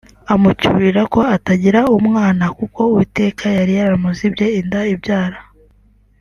amucyurira ko atagira umwana kuko Uwiteka yari yaramuzibye inda ibyara